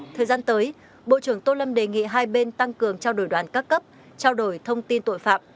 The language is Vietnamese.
thời gian tới bộ trưởng tô lâm đề nghị hai bên tăng cường trao đổi đoàn các cấp trao đổi thông tin tội phạm